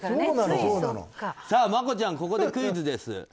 マコちゃん、ここでクイズです。